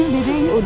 ini udah nangis aja